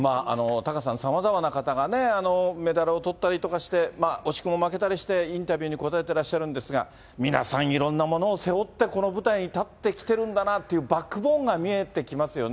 タカさん、さまざまな方がね、メダルをとったりとかして、惜しくも負けたりして、インタビューに答えてらっしゃるんですが、皆さんいろんなものを背負って、この舞台に立ってきてるんだなっていう、バックボーンが見えてき